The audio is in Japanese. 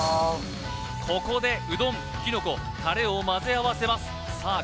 ここでうどんきのこタレをまぜあわせますさあ